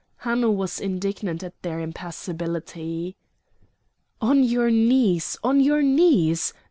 Hanno was indignant at their impassibility. "On your knees! on your knees!